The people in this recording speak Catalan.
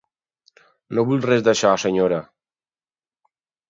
No vull res d'això, senyora.